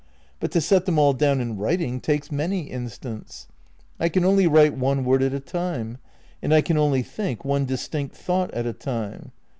But to set them all down in writing takes many instants. I can only write one word at a time, and I can only think one distinct thought at a time.